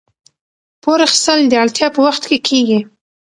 پور اخیستل د اړتیا په وخت کې کیږي.